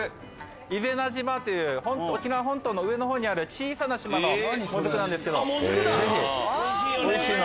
伊是名島という沖縄本島の上のほうにある小さな島のもずくなんですけどぜひおいしいので。